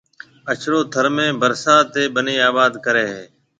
اڇڙو ٿر ۾ ڀرسات تَي ٻنِي آباد ڪرَي ھيََََ